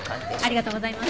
ありがとうございます。